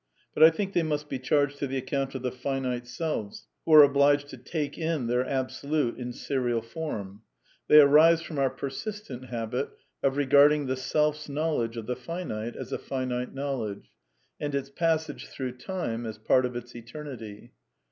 But I think they must be charged to the account of the finite selves, who are obliged to " take in " their Absolute in serial fornu They arise from our persistent habit of regarding the Self s knowl edge of the finite as a finite knowledge^ and its passage] through time as part of its eternity.